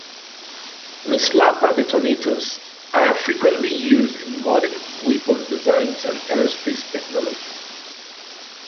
The slapper detonators are frequently used in modern weapon designs and aerospace technology.